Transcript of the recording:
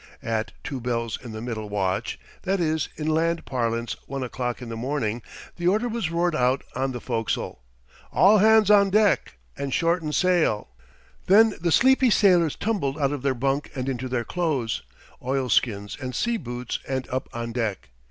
At two bells in the middle watch—that is, in land parlance one o'clock in the morning;—the order was roared out on the fo'castle: "All hands on deck and shorten sail!" Then the sleepy sailors tumbled out of their bunk and into their clothes, oilskins and sea boots and up on deck.